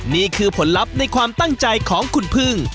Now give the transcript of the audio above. นี่คือผลลัพธ์ในความตั้งใจของคุณพึ่ง